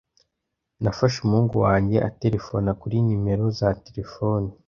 Nafashe umuhungu wanjye aterefona kuri nimero za terefone.